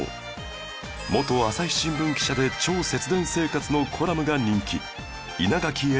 元『朝日新聞』記者で超節電生活のコラムが人気